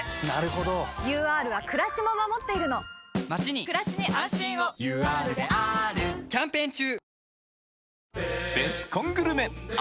ＵＲはくらしも守っているのまちにくらしに安心をＵＲであーるキャンペーン中！